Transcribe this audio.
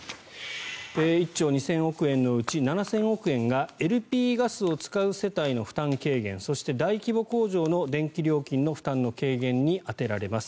１兆２０００億円のうち７０００億円がＬＰガスを使う世帯の負担軽減そして大規模工場の電気料金の負担の軽減に充てられます。